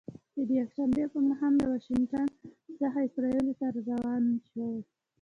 چې د یکشنبې په ماښام له واشنګټن څخه اسرائیلو ته روانه شوې.